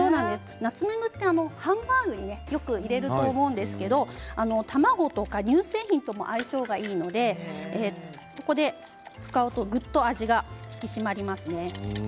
ナツメグはハンバーグに入れると思いますけれど卵や乳製品とも相性がいいのでここで使うとぐっと味が引き締まります。